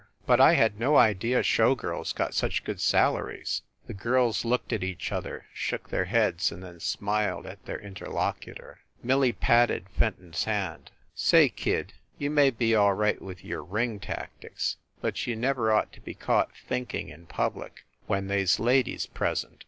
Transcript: "But I had no idea showgirls got such good sal aries!" The girls looked at each other, shook their heads, and then smiled at their interlocutor. Millie patted Fenton s hand. "Say, kid, you may be all right with your ring tactics, but you never ought to be caught thinking in public when they s ladies present.